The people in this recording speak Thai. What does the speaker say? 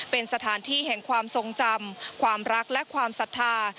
เป็นสถานที่แห่งความทรงจำความรักและความศรัทธา